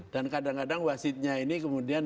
dan kadang kadang wasitnya ini kemudian